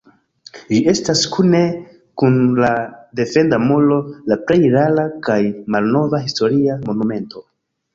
Ĝi estas kune kun la defenda muro la plej rara kaj malnova historia monumento.